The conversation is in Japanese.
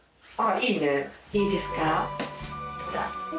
いいですか。